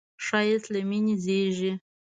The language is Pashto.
ښایست له مینې زېږي